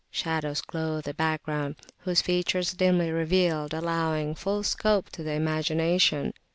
Shadows clothed the background, whose features, dimly revealed, allowed full scope to the imagination.